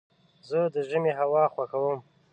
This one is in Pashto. زه د ژمي هوا خوښوم.